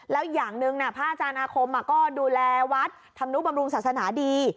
แล้วอย่างหนึ่งพระอาจารย์อาคมก็ดูแลวัดธรรมนุบำรุงศาสนาดี